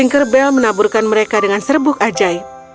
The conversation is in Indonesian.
dan setelah itu tinker bell menaburkan mereka dengan serbuk ajaib